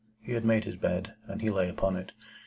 He had made his bed, and he lay upon it.